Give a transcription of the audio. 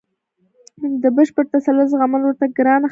د بشپړ تسلط زغمل ورته ګرانه خبره وه.